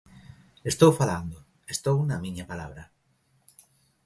Estou falando, estou na miña palabra.